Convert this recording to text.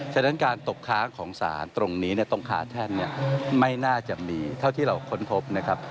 ฉะนั้นการตกค้างของสารตรงนี้เนี่ยตรงขาแท่นเนี่ยไม่น่าจะมีเท่าที่เราค้นพบนะครับ